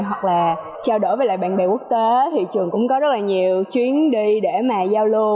hoặc là trao đổi với lại bạn bè quốc tế thì trường cũng có rất là nhiều chuyến đi để mà giao lưu